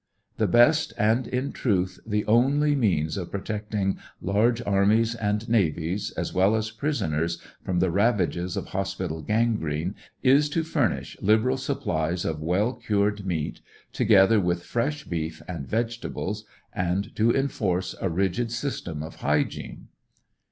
The best, and in truth the only means of protecting large armies and navies, as well as prisoners, from the ravages of hospital gangrene, is to furnish liberal supplies of well cured meat, together with fresh beef and vegetables, and to enforce a rigid system of hy gene.